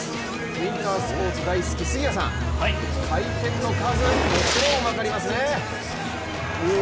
ウィンタースポーツ大好き杉谷さん回転の数、もちろん分かりますね？